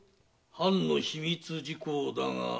藩の秘密事項だが。